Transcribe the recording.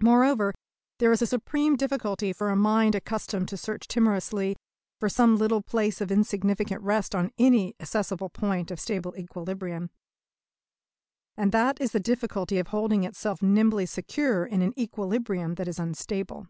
Moreover, there is a supreme difficulty for a mind accustomed to search timorously for some little place of insignificant rest on any accessible point of stable equilibrium; and that is the difficulty of holding itself nimbly secure in an equilibrium that is unstable.